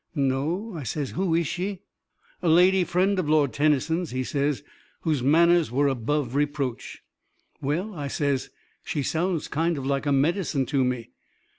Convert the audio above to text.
"No," I says, "who is she?" "A lady friend of Lord Tennyson's," he says, "whose manners were above reproach." "Well," I says, "she sounds kind of like a medicine to me."